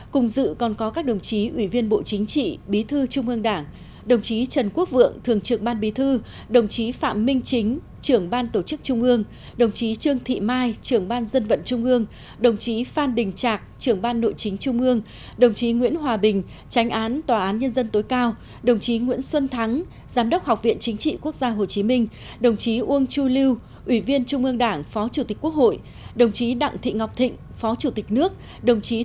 cùng dự còn có các đồng chí ủy viên bộ chính trị bí thư trung ương đảng đồng chí trần quốc vượng thường trưởng ban bí thư đồng chí phạm minh chính trưởng ban tổ chức trung ương đồng chí trương thị mai trưởng ban dân vận trung ương đồng chí phan đình trạc trưởng ban nội chính trung ương đồng chí nguyễn hòa bình tránh án tòa án nhân dân tối cao đồng chí nguyễn xuân thắng giám đốc học viện chính trị quốc gia hồ chí minh đồng chí uông chu lưu ủy viên trung ương đảng phó chủ tịch quốc hội đồng chí đ